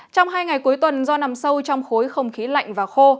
trong hai ngày cuối tuần do nằm sâu trong khối không khí lạnh và khô